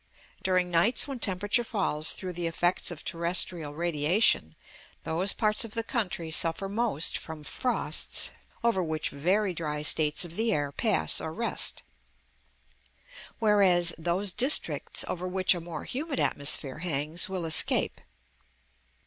During nights when temperature falls through the effects of terrestrial radiation, those parts of the country suffer most from frosts over which very dry states of the air pass or rest; whereas, those districts, over which a more humid atmosphere hangs, will escape.